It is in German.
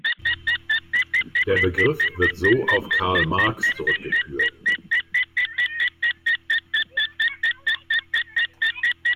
Der Begriff wird so auf Karl Marx zurückgeführt.